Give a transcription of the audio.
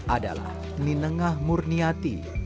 adalah ninengah murniati